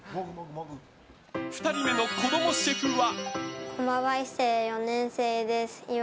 ２人目の子供シェフは。